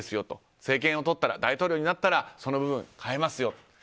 政権をとったら大統領になったらその部分変えますよと。